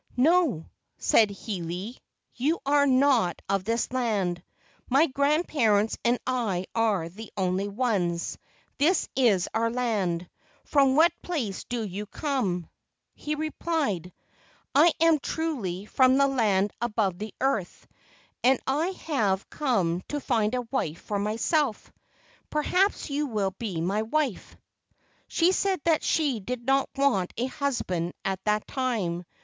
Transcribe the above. "No," said Hiilei, "you are not of this land. My grandparents and I are the only ones. This is our land. From what place do you come?" He replied: "I am truly from the land above the earth, and I have LEGENDS OF GHOSTS 170 come to find a wife for myself. Perhaps you will be my wife." She said that she did not want a husband at that time.